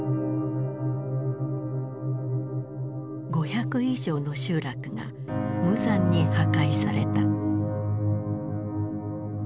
５００以上の集落が無残に破壊された。